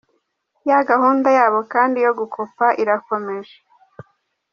Ya gahunda yayo kandi yo gukopa irakomeje.